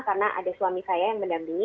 karena ada suami saya yang mendampingi